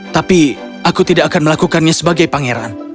tapi aku tidak akan melakukannya sebagai pangeran